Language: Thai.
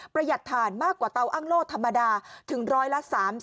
หัดฐานมากกว่าเตาอ้างโล่ธรรมดาถึงร้อยละ๓๐